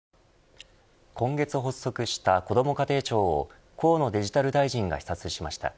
今月発足したこども家庭庁を河野デジタル大臣が視察しました。